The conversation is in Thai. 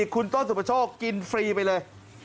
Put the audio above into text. คุณต้นสุพชกกินฟรีไปเลย